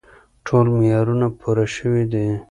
ټول معیارونه پوره شوي دي.